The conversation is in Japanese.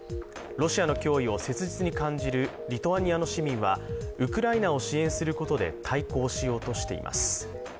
ロシアの脅威を切実に感じるリトアニアの市民はウクライナを支援することで対抗しようとしています。